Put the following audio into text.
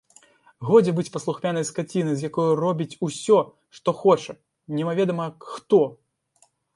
Годзе быць паслухмянай скацінай, з якой робіць усё, што хоча, немаведама хто!